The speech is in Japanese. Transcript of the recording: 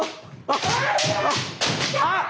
ああ！